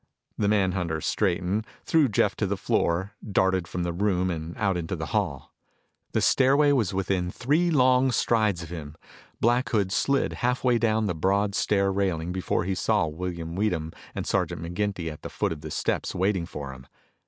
The manhunter straightened, threw Jeff to the floor, darted from the room and out into the hall. The stairway was within three long strides of him. Black Hood slid half way down the broad stair railing before he saw William Weedham and Sergeant McGinty at the foot of the steps waiting for him.